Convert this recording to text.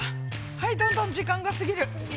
はいどんどん時間が過ぎる。